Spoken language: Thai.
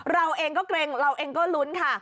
เราเองก็เกร็งเราเองก็ลุ้นค่ะ